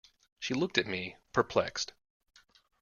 She looked at me, perplexed.